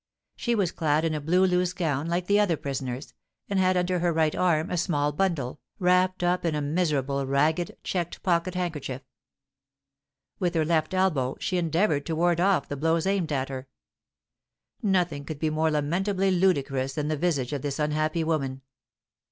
She was clad in a blue loose gown, like the other prisoners, and had under her right arm a small bundle, wrapped up in a miserable, ragged, checked pocket handkerchief. With her left elbow she endeavoured to ward off the blows aimed at her. Nothing could be more lamentably ludicrous than the visage of this unhappy woman.